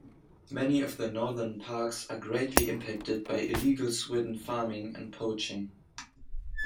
Many of the northern parks are greatly impacted by illegal swidden farming and poaching.